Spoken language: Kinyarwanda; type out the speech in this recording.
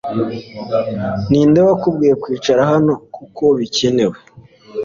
Ninde wakubwiye kwicara hano kuko bikenewe